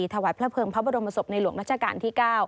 ถวายพระเภิงพระบรมศพในหลวงรัชกาลที่๙